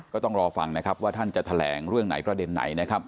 ก็ต้องรอฟังนะครับว่าท่านจะแถลงเรื่องไหนประเด็นไหนนะครับ